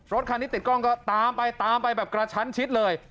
รถคันที่ติดกล้องก็ตามไปตามไปแบบกระชั้นชิดเลย